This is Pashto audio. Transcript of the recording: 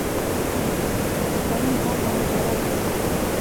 قانون عام او مجرد دی.